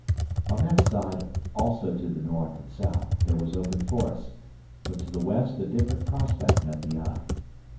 On that side, also to the north and south, there was open forest, but to the west a different prospect met the eye.